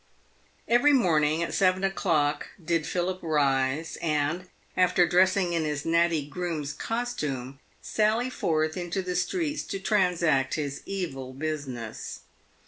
Every morning at seven o'clock did Philip rise, and, after dressing in his natty groom's costume, sally forth into the streets to transact his evil business.